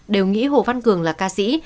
đều nghĩ hồ văn cường là ca sĩ